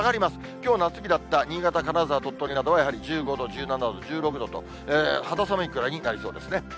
きょう夏日だった新潟、金沢、鳥取などは１５度、１７度、１６度と、肌寒いくらいになりそうです。